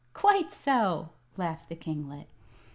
"Quite so," laughed the kinglet.